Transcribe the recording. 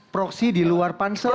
proksi di luar pansel